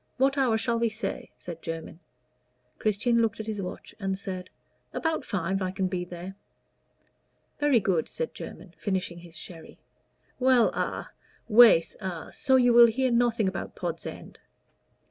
what hour shall we say?" said Jermyn. Christian looked at his watch and said, "About five I can be there." "Very good," said Jermyn, finishing his sherry. "Well a Wace a so you will hear nothing about Pod's End?"